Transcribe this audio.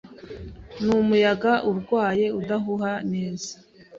Numuyaga urwaye udahuha neza.